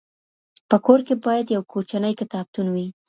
په کور کي باید یو کوچنی کتابتون وي.